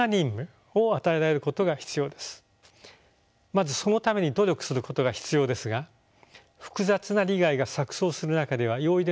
まずそのために努力することが必要ですが複雑な利害が錯綜する中では容易でないかもしれません。